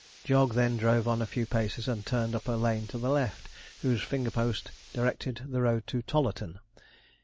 Jog then drove on a few paces, and turned up a lane to the left, whose finger post directed the road 'to Tollarton.'